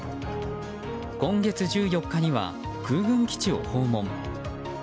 今月１４日には空軍基地を訪問。